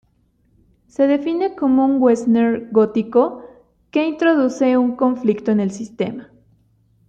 Se define como un western gótico que introduce un conflicto en el sistema.